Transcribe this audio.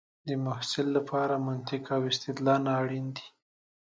د محصل لپاره منطق او استدلال اړین دی.